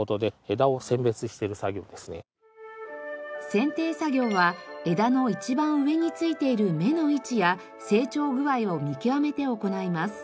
剪定作業は枝の一番上に付いている芽の位置や成長具合を見極めて行います。